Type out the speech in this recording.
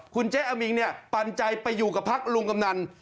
คุณเจ๊อมิงเนี่ยปันใจไปอยู่กับพักลุงกำนัน